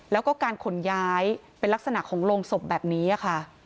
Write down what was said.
แล้วก็การขนย้ายเป็นลักษณะของโรงศพแบบนี้ค่ะ